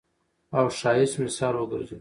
او ښايست مثال وګرځوو.